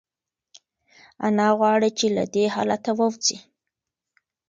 انا غواړي چې له دې حالته ووځي.